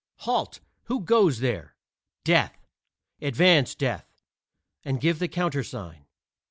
"Halt! who goes there?" "Death." "Advance, Death, and give the countersign."